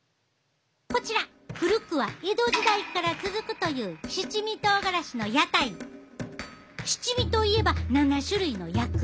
こちら古くは江戸時代から続くという七味といえば７種類の薬味。